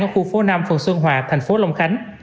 ở khu phố năm phường xuân hòa thành phố long khánh